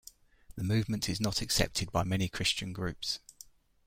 The movement is not accepted by many Christian groups.